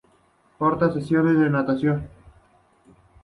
Cortas sesiones de natación.